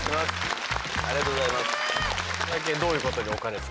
ありがとうございます。